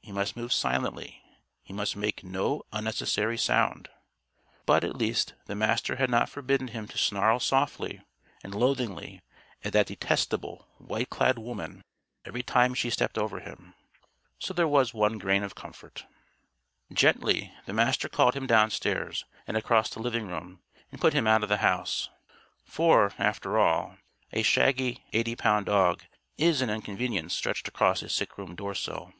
He must move silently. He must make no unnecessary sound. But, at least, the Master had not forbidden him to snarl softly and loathingly at that detestable white clad woman every time she stepped over him. So there was one grain of comfort. Gently, the Master called him downstairs and across the living room, and put him out of the house. For, after all, a shaggy eighty pound dog is an inconvenience stretched across a sick room doorsill.